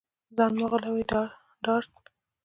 ځان مه غولوې ډارت